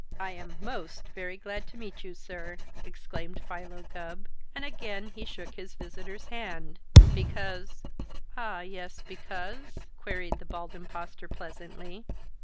"I am most very glad to meet you, sir!" exclaimed Philo Gubb, and again he shook his visitor's hand. "Because " "Ah, yes, because " queried the Bald Impostor pleasantly.